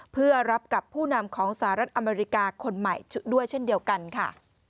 เพื่อรับกับผู้นำของสหรัฐอเมริกาคนใหม่ด้วยเช่นเดียวกันค่ะ